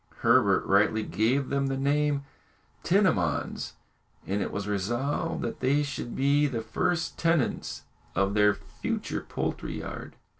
Herbert rightly gave them the name of tinamons, and it was resolved that they should be the first tenants of their future poultry yard.